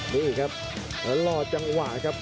นี่ครับแล้วรอจังหวะครับ